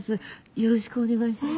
よろしくお願いします。